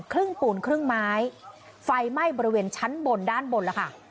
ครึ่งปูนครึ่งไม้ไฟไหม้บริเวณชั้นบนด้านบนแล้วค่ะ